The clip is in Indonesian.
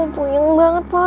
puing banget malah gue